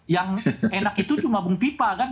yang enak itu cuma bung pipa kan